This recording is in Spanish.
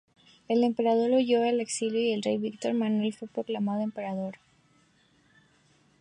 El emperador huyó al exilio y el rey Víctor Manuel fue proclamado emperador.